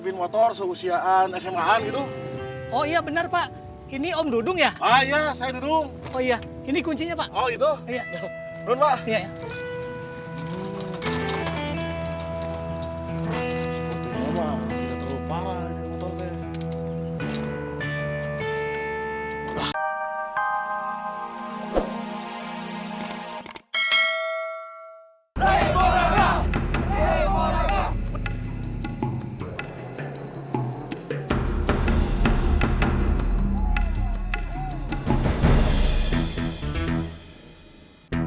mereka harus kita kasih pelajaran tuhan